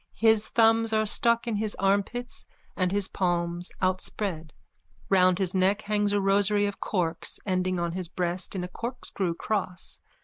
His thumbs are stuck in his armpits and his palms outspread. Round his neck hangs a rosary of corks ending on his breast in a corkscrew cross.